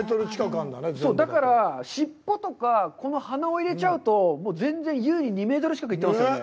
だから尻尾とか、この鼻を入れちゃうともう全然、２メートル近く行ってますよね。